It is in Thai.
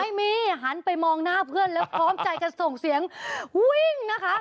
หันไปมองหน้าเพื่อนแล้วพร้อมใจจะส่งเสียงวิ่งนะคะ